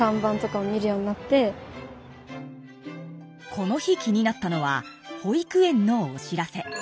この日気になったのは保育園のお知らせ。